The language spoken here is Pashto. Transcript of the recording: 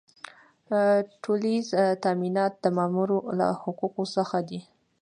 ټولیز تامینات د مامور له حقوقو څخه دي.